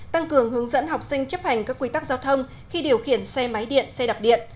tăng cường hướng dẫn học sinh chấp hành các quy tắc giao thông khi điều khiển xe máy điện xe đạp điện